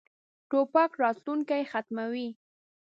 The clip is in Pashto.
توپک راتلونکی ختموي.